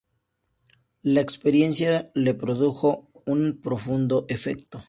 La experiencia le produjo un profundo efecto.